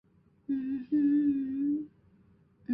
台在其东。